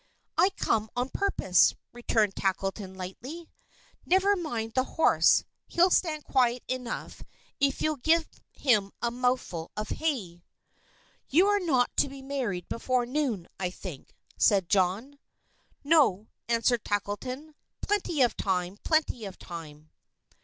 "I came on purpose," returned Tackleton lightly. "Never mind the horse. He'll stand quiet enough if you'll give him a mouthful of hay." "You are not to be married before noon, I think?" said John. "No," answered Tackleton. "Plenty of time. Plenty of time."